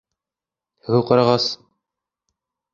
— Һылыу ҡарағас?!